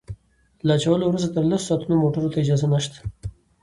له اچولو وروسته تر لسو ساعتونو موټرو ته اجازه نشته